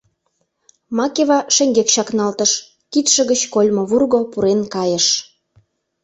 Макева шеҥгек чакналтыш, кидше гыч кольмо вурго пурен кайыш.